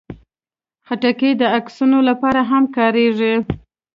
خټکی د عکسونو لپاره هم کارېږي.